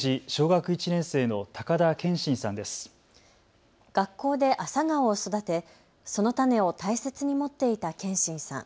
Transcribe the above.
学校で朝顔を育てその種を大切に持っていた謙真さん。